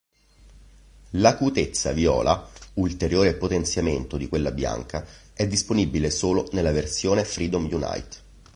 L'"acutezza" viola, ulteriore potenziamento di quella bianca, è disponibile solo nella versione Freedom Unite.